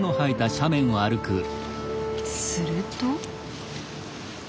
すると。